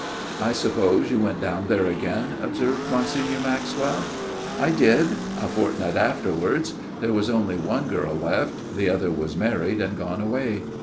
" I suppose you went down there again," observed Monsignor Maxwell. " I did, a fortnight afterwards. There was only one girl left ; the other was married and gone away.